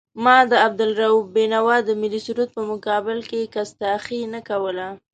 ما د عبدالرؤف بېنوا د ملي سرود په مقابل کې کستاخي نه کوله.